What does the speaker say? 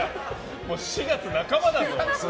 もう４月半ばだぞ。